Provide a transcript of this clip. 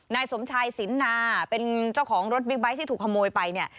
นายสมชายสินนาเป็นเจ้าของรถบิ๊กไบท์ที่ถูกขโมยไปเนี่ย